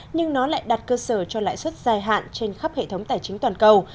nhưng nó lại đặt cơ sở cho lãi suất dài hạn trên khắp hệ thống tài chính toàn cầu